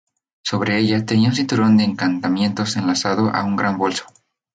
Sobre ella, tenía un cinturón de encantamientos enlazado a un gran bolso.